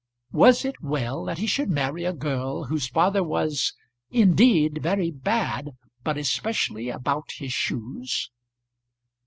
Was it well that he should marry a girl whose father was "indeed very bad, but especially about his shoes?"